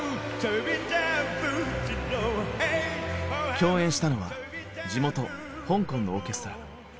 共演したのは地元香港のオーケストラ。